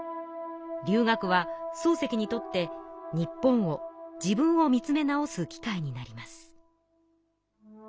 留学は漱石にとって日本を自分を見つめ直す機会になります。